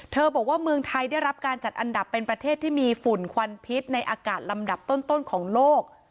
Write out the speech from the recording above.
บอกว่าเมืองไทยได้รับการจัดอันดับเป็นประเทศที่มีฝุ่นควันพิษในอากาศลำดับต้นของโลก